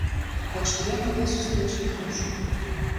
Так што я на тыя сустрэчы не хаджу.